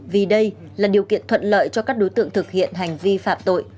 vì đây là điều kiện thuận lợi cho các đối tượng thực hiện hành vi phạm tội